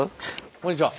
こんにちは。